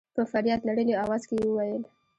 په فرياد لړلي اواز کې يې وويل.